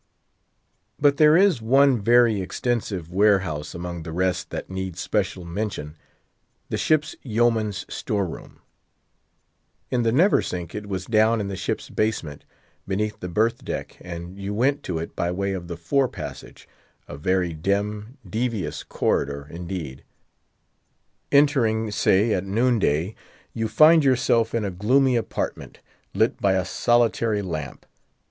But there is one very extensive warehouse among the rest that needs special mention—the ship's Yeoman's storeroom. In the Neversink it was down in the ship's basement, beneath the berth deck, and you went to it by way of the Fore passage, a very dim, devious corridor, indeed. Entering—say at noonday—you find yourself in a gloomy apartment, lit by a solitary lamp.